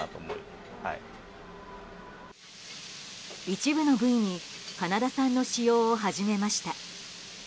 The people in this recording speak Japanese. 一部の部位にカナダ産の使用を始めました。